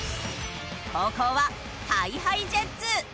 後攻はＨｉＨｉＪｅｔｓ。